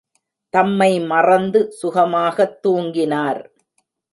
தம்மை மறந்து சுகமாகத் துங்கினார்.